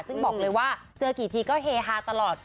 ซึ่งบอกเลยว่าเจอกี่ทีก็เฮฮาตลอด